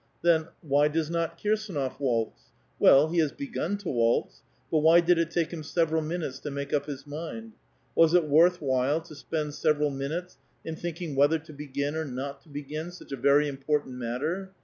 Then, why does not Kirsdnof waltz? Well, he has begun to waltz ; but why did it take him several minutes to make up his mind? Was it worth while to spend several minutes in thinking whether to begin or not to begin such a very important matter?